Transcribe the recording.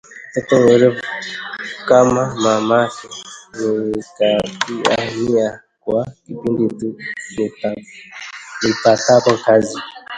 Mtoto mwerevu kama mamake! Nikatia nia kuwa pindi tu nipatapo kazi